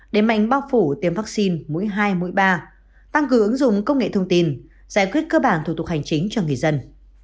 để mạnh bao phủ tiêm vaccine mũi hai mũi ba tăng cường ứng dụng công nghệ thông tin giải quyết cơ bản thủ tục hành chính cho người dân